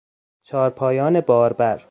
چارپایان باربر